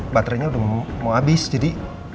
baterainya udah mau habis jadi